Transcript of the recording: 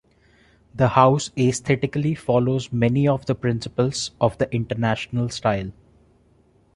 The house aesthetically follows many of the principles of the International Style.